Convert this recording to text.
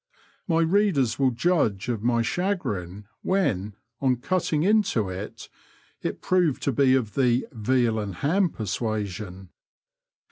My readers will judge of my chagrin when, on cutting into it, it proved to be of the veal and ham persuasion.